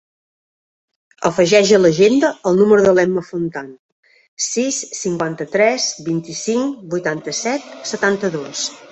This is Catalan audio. Afegeix a l'agenda el número de l'Emma Fontan: sis, cinquanta-tres, vint-i-cinc, vuitanta-set, setanta-dos.